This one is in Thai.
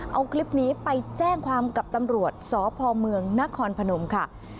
เอาคลิปนี้ไปแจ้งความกับตำรวจสพเมืองนครพนมค่ะ